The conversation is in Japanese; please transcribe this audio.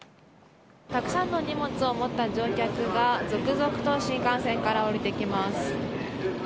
たくさんの荷物を持った乗客が続々と新幹線から降りてきます。